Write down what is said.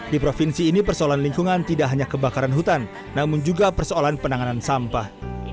di provinsi ini persoalan lingkungan tidak hanya kebakaran hutan namun juga persoalan penanganan sampah